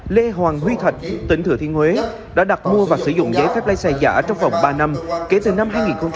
lê hoàng huy thạch tỉnh thừa thiên huế đã đặt mua và sử dụng giấy phép lái xe giả trong vòng ba năm kể từ năm hai nghìn một mươi ba